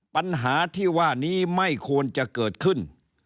ปัญหาที่ว่านี้ไม่ควรจะเกิดขึ้น